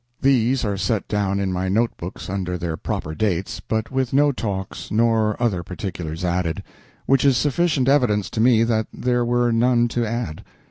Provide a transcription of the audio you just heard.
These are set down in my notebooks under their proper dates, but with no talks nor other particulars added; which is sufficient evidence to me that there were none to add.